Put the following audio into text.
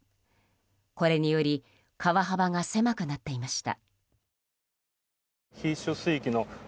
これにより川幅が狭くなっていました。